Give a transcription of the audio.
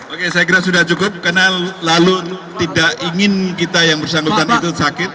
oke saya kira sudah cukup karena lalu tidak ingin kita yang bersangkutan itu sakit